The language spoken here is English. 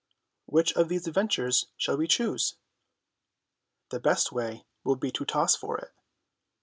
Which of these adventures shall we choose? The best way will be to toss for it.